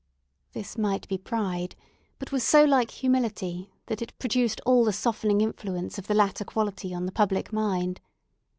This might be pride, but was so like humility, that it produced all the softening influence of the latter quality on the public mind.